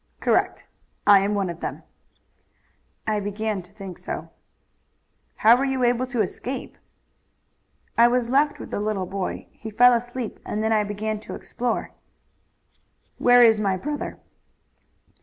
"Correct. I am one of them." "I began to think so." "How were you able to escape?" "I was left with the little boy. He fell asleep and then I began to explore." "Where is my brother?"